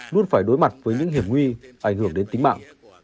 luôn phải đối mặt với những hiểm nguy ảnh hưởng đến tính mạng